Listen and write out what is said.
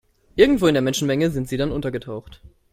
Irgendwo in der Menschenmenge sind sie dann untergetaucht.